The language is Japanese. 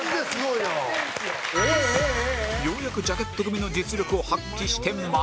ようやくジャケット組の実力を発揮して○